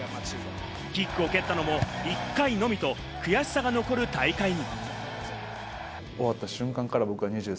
キックを蹴ったのも１回のみと悔しさが残る大会に。